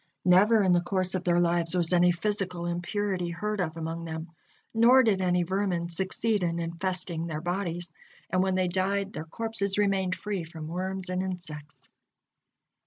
Never in the course of their lives was any physical impurity heard of among them, nor did any vermin succeed in infesting their bodies, and when they died, their corpses remained free from worms and insects.